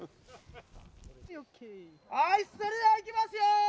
はいそれではいきますよー！